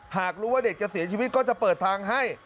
หากรู้ว่าเด็กจะเสียชีวิตก็จะเปิดทางให้